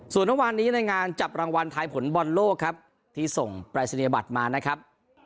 ส่วนเมื่อวานนี้ในงานจับรางวัลทายผลบอลโลกครับที่ส่งปรายศนียบัตรมานะครับ